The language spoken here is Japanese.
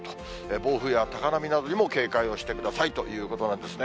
暴風や高波などにも警戒をしてくださいということなんですね。